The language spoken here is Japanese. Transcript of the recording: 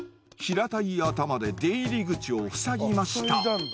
平たい頭で出入り口を塞ぎました。